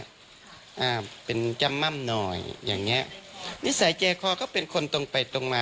อ่าเป็นจำม่ำหน่อยอย่างเงี้ยนิสัยใจคอก็เป็นคนตรงไปตรงมา